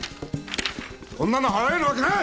こんなの払えるわけない！